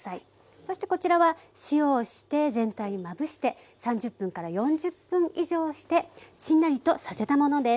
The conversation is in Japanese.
そしてこちらは塩をして全体にまぶして３０分から４０分以上してしんなりとさせたものです。